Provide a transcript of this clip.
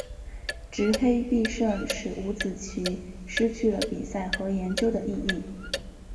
执黑必胜使五子棋失去了比赛和研究的意义。